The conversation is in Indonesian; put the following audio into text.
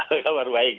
apa kabar baik